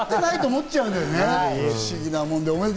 不思議なもんで。